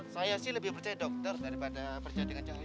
saya sih lebih percaya dokter daripada percaya dengan cahaya